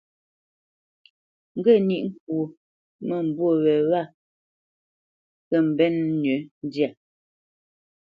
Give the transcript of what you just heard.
Ŋge níʼ ŋkwó mə́mbû wě wa kə mbenə́ nʉ́ ndyâ.